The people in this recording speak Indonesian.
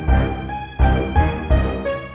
terima kasih bang